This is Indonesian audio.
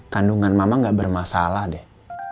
kandungan mama gak bermasalah deh